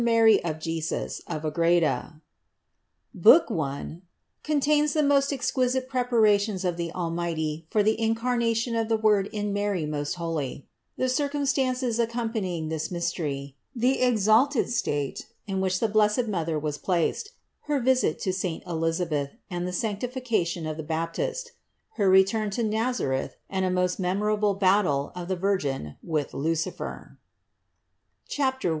Amen. BOOK ONE BOOK III, I OF II PART Contains the most Exquisite Preparations of the Almighty for the Incar nation of the Word in Mary most Holy; the Circumstances Accom panying this Mystery; the Exalted State, in which the Blessed Mother was placed; her Visit to Saint Elisabeth and the Sanctificationof the Baptist: Her Return to Nazareth and a Memorable Battle of the Virgin with Lucifer CHAPTER I.